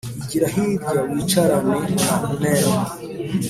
igira hirya wicarane na Mere